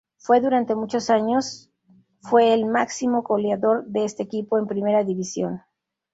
Fue durante muchos años fue el máximo goleador de este equipo en Primera División.